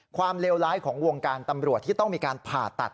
เลวร้ายของวงการตำรวจที่ต้องมีการผ่าตัด